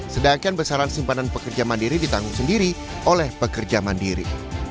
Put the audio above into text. sedangkan besaran simpanan pekerja mandiri ditanggung sendiri oleh pekerja mandiri